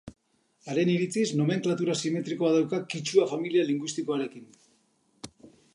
Haren iritziz, nomenklatura simetrikoa dauka kitxua familia linguistikoarekin.